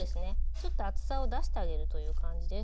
ちょっと厚さを出してあげるという感じです。